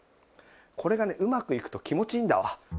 これがねうまくいくと気持ちいいんだわ。